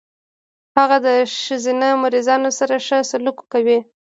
هغه د ښځينه مريضانو سره ښه سلوک کوي.